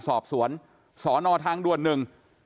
สอบสวนสอนอทางด่วนหนึ่ง